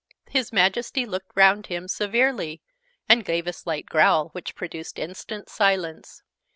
His Majesty looked round him severely, and gave a slight growl, which produced instant silence.